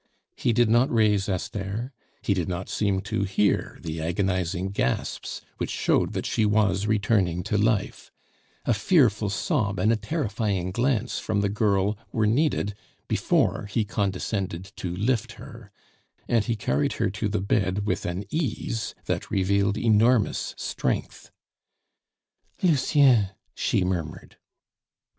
He did not raise Esther, he did not seem to hear the agonizing gasps which showed that she was returning to life; a fearful sob and a terrifying glance from the girl were needed before he condescended to lift her, and he carried her to the bed with an ease that revealed enormous strength. "Lucien!" she murmured.